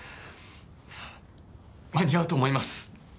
間に合うと思います。